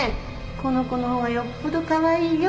この子のほうがよっぽどかわいいよ。